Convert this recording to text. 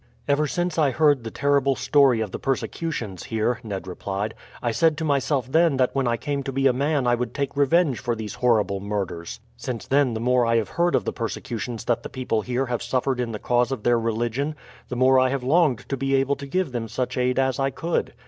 "Ever since I heard the terrible story of the persecutions here," Ned replied. "I said to myself then that when I came to be a man I would take revenge for these horrible murders. Since then the more I have heard of the persecutions that the people here have suffered in the cause of their religion, the more I have longed to be able to give them such aid as I could.